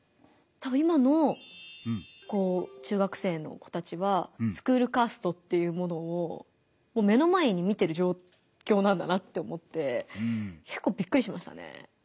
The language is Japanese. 今の中学生の子たちはスクールカーストっていうものをもう目の前に見てる状況なんだなって思ってびっくりしましたね。